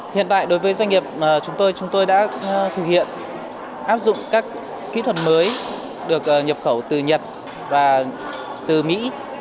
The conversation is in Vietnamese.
hiện tại đối với doanh nghiệp chúng tôi chúng tôi đã thực hiện áp dụng các kỹ thuật mới được nhập khẩu từ nhật và từ mỹ